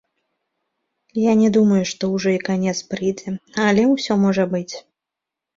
Я не думаю, што ўжо і канец прыйдзе, але ўсё можа быць.